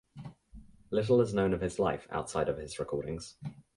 Little is known of his life outside of his recordings.